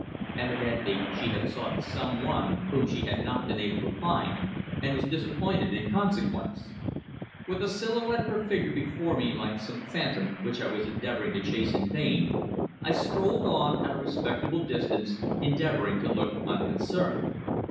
Evidently she had sought some one whom she had not been able to find, and was disappointed in consequence. With the silhouette of her figure before me like some phantom which I was endeavouring to chase in vain, I strolled on at a respectable distance, endeavouring to look unconcerned.